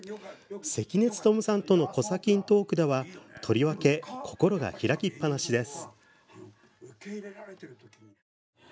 関根勤さんとの「コサキン」トークではとりわけ、心が開きっぱなしです。